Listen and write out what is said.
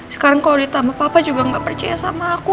sekarang kalau ditambah papa juga nggak percaya sama aku